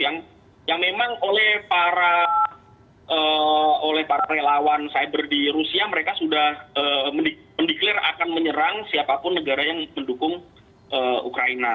yang memang oleh para relawan cyber di rusia mereka sudah mendeklir akan menyerang siapapun negara yang mendukung ukraina